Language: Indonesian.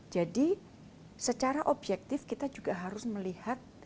jadi secara objektif kita juga harus melihat